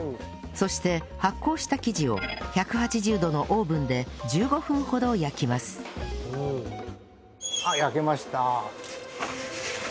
そして発酵した生地を１８０度のオーブンで１５分ほど焼きます焼けました。